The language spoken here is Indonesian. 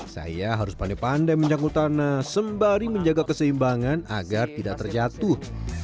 saya harus pandai pandai menjauh tanah sembari menjaga keseimbangan agar tidak terjatuh